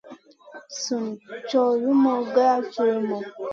Sùn cow lumu grawd culumu.